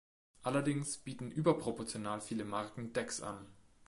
Allerdings bieten überproportional viele Marken Decks an.